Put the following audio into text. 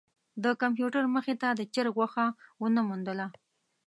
د کمپیوټر مخې ته د چرک غوښه ونه موندله.